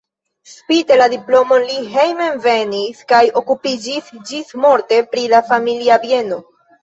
Spite la diplomon li hejmenvenis kaj okupiĝis ĝismorte pri la familia bieno.